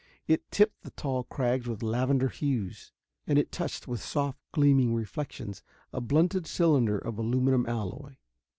It tipped the tall crags with lavender hues, and it touched with soft gleaming reflections a blunted cylinder of aluminum alloy.